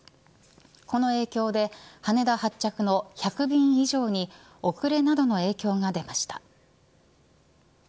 この影響で羽田発着の１００便以上に遅れなどの影響が出ました。